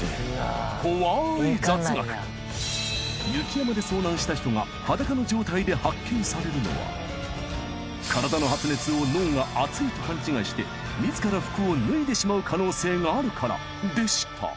ほわーい雑学雪山で遭難した人が裸の状態で発見されるのは体の発熱を脳が熱いと勘違いして自ら服を脱いでしまう可能性があるからでした